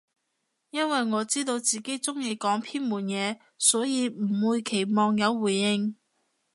因爲我知道自己中意講偏門嘢，所以唔會期望有回應